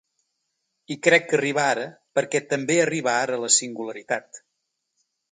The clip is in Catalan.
I crec que arriba ara perquè també arriba ara la singularitat.